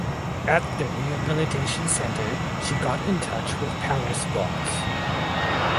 At the rehabilitation center she got in touch with para sports.